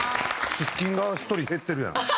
シッキンが１人減ってるやん。